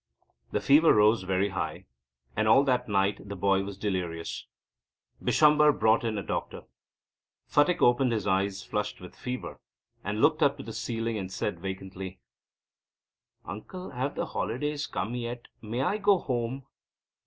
The fever rose very high, and all that night the boy was delirious. Bishamber brought in a doctor. Phatik opened his eyes flushed with fever, and looked up to the ceiling, and said vacantly: "Uncle, have the holidays come yet? May I go home?"